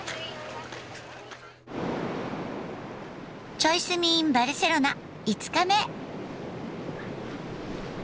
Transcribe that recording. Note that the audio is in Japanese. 「チョイ住みｉｎバルセロナ」５日目。